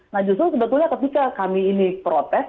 nah justru sebetulnya ketika kami ini protes